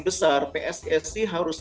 besar pssc harus